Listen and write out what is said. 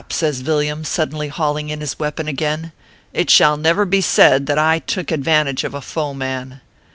says Yilliam, suddenly hauling in his weapon again ;" it shall never be said that I took advantage of a foeman."